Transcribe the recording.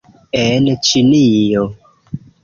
- En Ĉinio